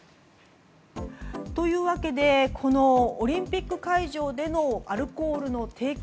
というわけでこのオリンピック会場でのアルコールの提供。